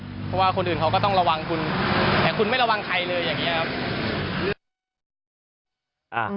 เพราะว่าคนอื่นเขาก็ต้องระวังคุณแต่คุณไม่ระวังใครเลยอย่างนี้ครับ